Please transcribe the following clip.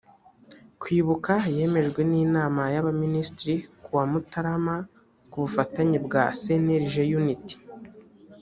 kwibuka yemejwe n inama y abaminisitiri ku wa mutarama ku bufatanye bwa cnlg unity